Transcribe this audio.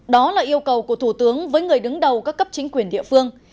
đó là yêu cầu của thủ tướng với người đứng đầu các cấp chính quyền địa phương